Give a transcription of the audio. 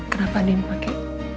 kenapa nin pakai